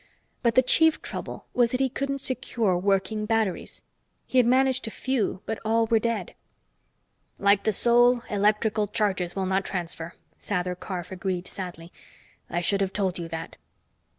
But the chief trouble was that he couldn't secure working batteries. He had managed a few, but all were dead. "Like the soul, electrical charges will not transfer," Sather Karf agreed sadly. "I should have told you that."